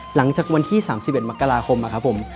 หลังจากวันที่๓๑มกราคมนะครับผม